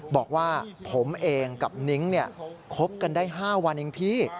บอกว่าผมเองกับนิ้งคบกันได้๕วันเองพี่